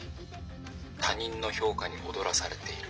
他人の評価に踊らされている」。